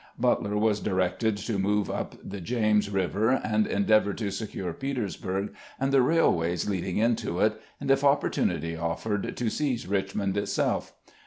Butler was directed to move up the James River, and endeavor to secure Petersburg and the rail ways leading into it, and, if opportunity offered, to seize Richmond itself.